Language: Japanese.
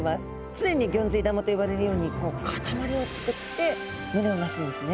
常にギョンズイ玉と呼ばれるように固まりを作って群れをなすんですね。